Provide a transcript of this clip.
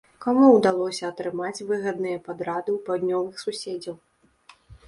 Каму ўдалося атрымаць выгадныя падрады у паўднёвых суседзяў?